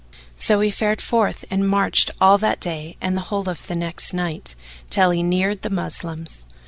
So he fared forth and marched all that day and the whole of the next night, till he neared the Moslems.